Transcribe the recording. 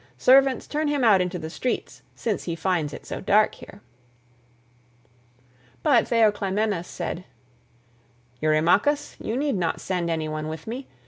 Servants, turn him out into the streets, since he finds it so dark here." But Theoclymenus said, "Eurymachus, you need not send any one with me.